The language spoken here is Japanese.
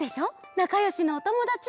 なかよしのおともだち。